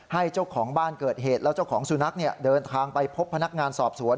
เจ้าของบ้านเกิดเหตุแล้วเจ้าของสุนัขเดินทางไปพบพนักงานสอบสวน